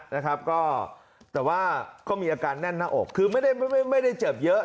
นะครับก็แต่ว่าก็มีอาการแน่นหน้าอกคือไม่ได้ไม่ได้เจ็บเยอะ